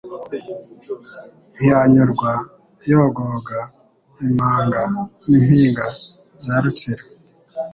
ntiyanyurwa, yogoga imanga n'impinga za Rutsiro,